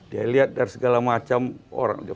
dia lihat dari segala macam orang